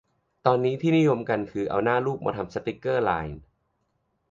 ตอนนี้ที่นิยมกันคือเอาหน้าลูกมาทำสติกเกอร์ไลน์